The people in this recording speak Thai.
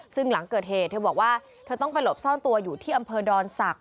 ซึ่งหลังเกิดเหตุเธอบอกว่าเธอต้องไปหลบซ่อนตัวอยู่ที่อำเภอดอนศักดิ